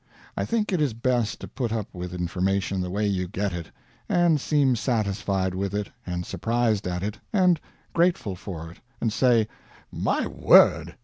I think it is best to put up with information the way you get it; and seem satisfied with it, and surprised at it, and grateful for it, and say, "My word!"